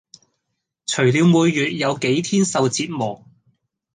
除了每月有幾天受折磨